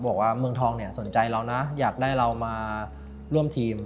บอกว่าเมืองทองเนี่ยสนใจเรานะอยากได้เรามาร่วมทีม